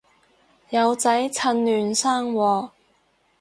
有仔趁嫩生喎